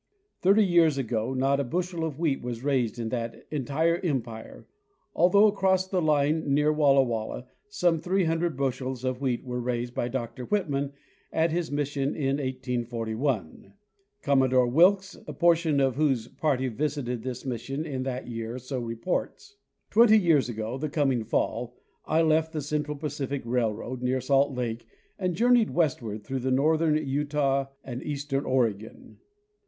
Thirty years ago not a bushel of wheat was raised in that en tire empire, although across the line near Walla Walla some 300 bushels of wheat were raised by Dr Whitman at his mission in 1841; Commodore Wilkes, a portion of whose party visited this mission in that year, so reports. Twenty years ago the coming fall I left the Central Pacific railroad near Salt Lake and journeyed westward through northern Utah and eastern Oregon.